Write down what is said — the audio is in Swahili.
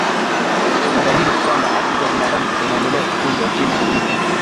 ni dhahiri kwamba haki za binaadam zinaendelea kuvujwa nchini burundi